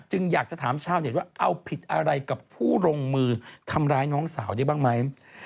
อยากจะถามชาวเน็ตว่าเอาผิดอะไรกับผู้ลงมือทำร้ายน้องสาวได้บ้างไหม